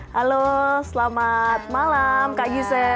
halo selamat malam kak yusef